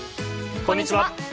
こんにちは。